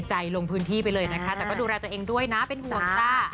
ลงพื้นที่ไปเลยนะคะแต่ก็ดูแลตัวเองด้วยนะเป็นห่วงจ้า